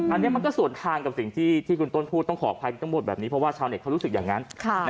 อันนี้มันก็ส่วนทางกับสิ่งที่คุณต้นพูดต้องขออภัยทั้งหมดแบบนี้เพราะว่าชาวเน็ตเขารู้สึกอย่างนั้น